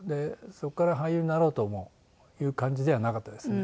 そこから俳優になろうという感じではなかったですね。